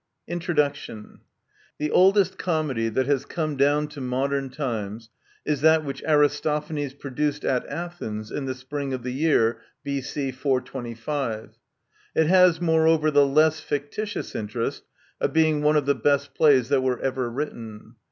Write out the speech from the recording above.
The oldest comedy that has come down to modern times is that which Aristophanes produced at Athens in the spring of the year B.C. 425. It has, moreover, the less fictitious interest of being one of the best plays that were ever written.